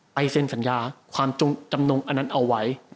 เซ็นสัญญาความจำนงอันนั้นเอาไว้